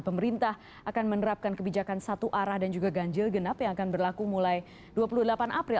pemerintah akan menerapkan kebijakan satu arah dan juga ganjil genap yang akan berlaku mulai dua puluh delapan april